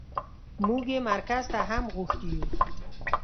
موږ يې مرکز ته هم غوښتي يو.